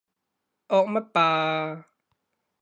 惡乜霸啊？